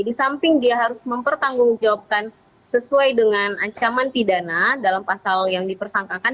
di samping dia harus mempertanggungjawabkan sesuai dengan ancaman pidana dalam pasal yang dipersangkakan